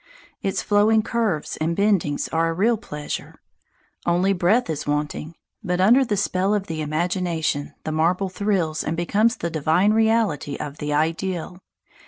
Its flowing curves and bendings are a real pleasure; only breath is wanting; but under the spell of the imagination the marble thrills and becomes the divine reality of the ideal.